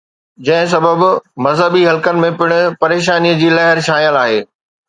جنهن سبب مذهبي حلقن ۾ پڻ پريشاني جي لهر ڇانيل آهي.